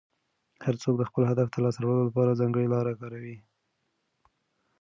هر څوک د خپل هدف د لاسته راوړلو لپاره ځانګړې لاره کاروي.